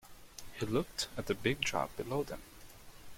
He looked at the big drop below them.